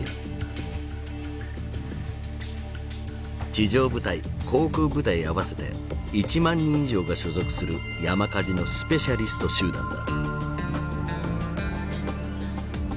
地上部隊航空部隊合わせて１万人以上が所属する山火事のスペシャリスト集団だ。